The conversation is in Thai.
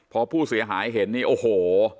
พอผู้เสียหายเห็นนี่โอ้โห